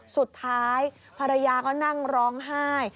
สุดท้ายภรรยาก็นั่งร้องไห้